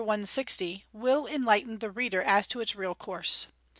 160 will enlighten the reader as to its real course.